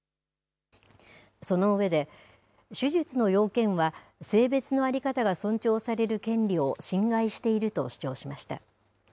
その上で、手術の要件は、性別の在り方が尊重される権利を侵害していると主張しました。